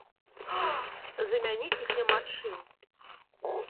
Замяніць іх няма чым.